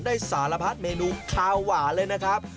สารพัดเมนูคาวหวานเลยนะครับ